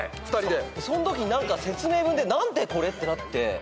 そのときに何か説明文で何でこれ？ってなって。